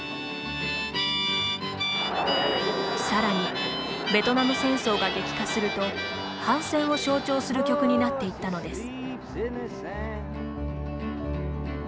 さらにベトナム戦争が激化すると反戦を象徴する曲になっていったのです。